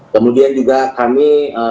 kemudian juga kami